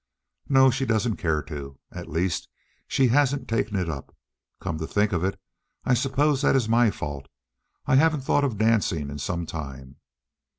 "No, she doesn't care to. At least she hasn't taken it up. Come to think of it, I suppose that is my fault. I haven't thought of dancing in some time."